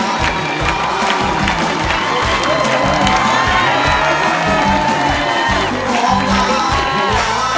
สวัสดีครับ